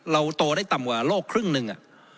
โตได้ต่ำกว่าโลกครึ่งหนึ่ง